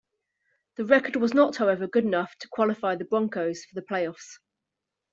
The record was not, however, good enough qualify the Broncos for the playoffs.